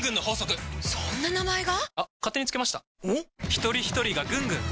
ひとりひとりがぐんぐん！